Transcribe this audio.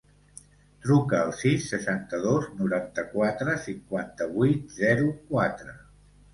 Truca al sis, seixanta-dos, noranta-quatre, cinquanta-vuit, zero, quatre.